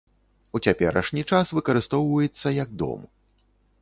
У цяперашні час выкарыстоўваецца як дом.